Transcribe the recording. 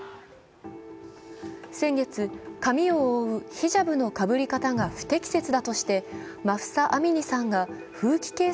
先月、髪を覆うヒジャブの被り方が不適切だとしてマフサ・アミニさん。